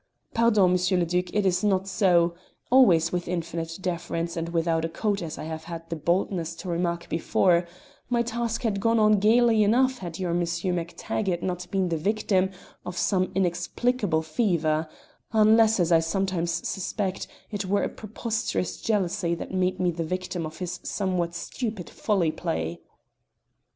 "Pardon, M. le Duc, it is not so, always with infinite deference, and without a coat as I have had the boldness to remark before: my task had gone on gaily enough had your Monsieur MacTaggart not been the victim of some inexplicable fever unless as I sometimes suspect it were a preposterous jealousy that made me the victim of his somewhat stupid folly play."